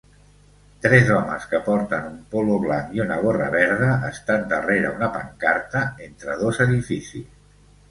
Tres homes que porten un polo blanc i una gorra verda estan darrera una pancarta entre dos edificis.